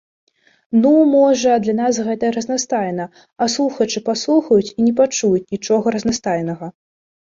Ну, можа, для нас гэта разнастайна, а слухачы паслухаюць і не пачуюць нічога разнастайнага.